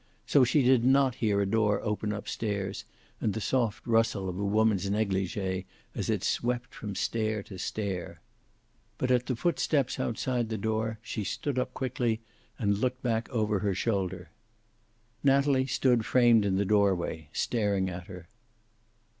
So she did not hear a door open up stairs and the soft rustle of a woman's negligee as it swept from stair to stair. But as the foot steps outside the door she stood up quickly and looked back over her shoulder. Natalie stood framed in the doorway, staring at her.